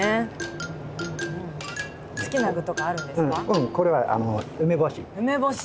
うんこれは梅干し。